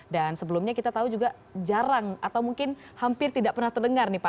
dan sebelumnya kita tahu juga jarang atau mungkin hampir tidak pernah terdengar nih pak